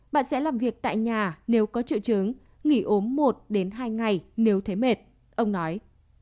bạn sẽ làm việc tại nhà nếu có triệu chứng nghỉ ốm một hai ngày nếu thấy mệt ông nói